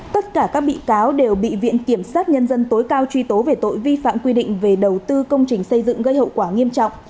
tất cả các bị cáo đều bị viện kiểm sát nhân dân tối cao truy tố về tội vi phạm quy định về đầu tư công trình xây dựng gây hậu quả nghiêm trọng